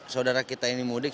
saudara kita ini mudik